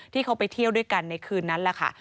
ที่เขาไปเที่ยวด้วยกันในคืนนั้นแหละค่ะ